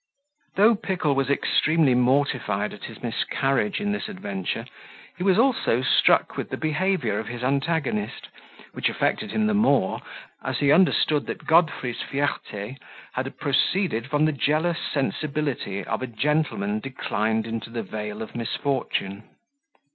Though Pickle was extremely mortified at his miscarriage in this adventure, he was also struck with the behaviour of his antagonist, which affected him the more, as he understood that Godfrey's fierte had proceeded from the jealous sensibility of a gentleman declined into the vale of misfortune.